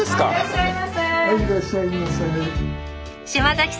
はいいらっしゃいませ。